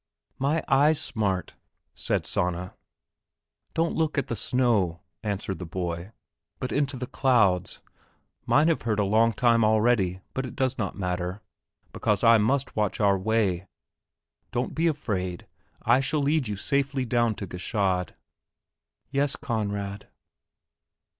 "My eyes smart," said Sanna. "Don't look on the snow," answered the boy, "but into the clouds. Mine have hurt a long time already; but it does not matter, because I must watch our way. But don't be afraid, I shall lead you safely down to Gschaid." "Yes, Conrad."